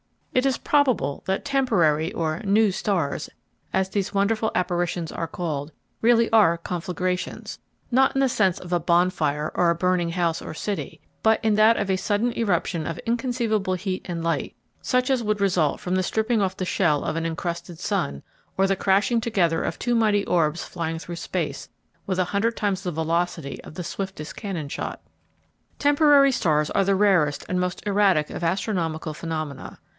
It is probable that "temporary" or "new" stars, as these wonderful apparitions are called, really are conflagrations; not in the sense of a bonfire or a burning house or city, but in that of a sudden eruption of inconceivable heat and light, such as would result from the stripping off the shell of an encrusted sun or the crashing together of two mighty orbs flying through space with a hundred times the velocity of the swiftest cannon shot. Temporary stars are the rarest and most erratic of astronomical phenomena.